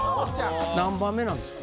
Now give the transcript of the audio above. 何番目なんですか？